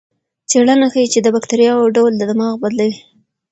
څېړنه ښيي چې د بکتریاوو ډول دماغ بدلوي.